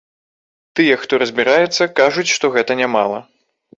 Тыя, хто разбіраецца, скажуць, што гэта нямала.